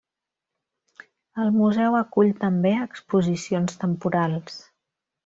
El museu acull també exposicions temporals.